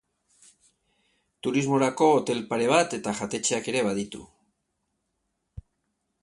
Turismorako hotel pare bat eta jatetxeak ere baditu.